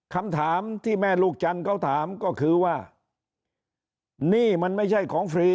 คำถามที่แม่ลูกจันทร์เขาถามก็คือว่านี่มันไม่ใช่ของฟรี